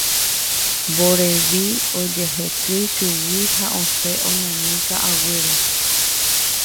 Mborevi ojehekýi chugui ha osẽ oñani ka'aguýre.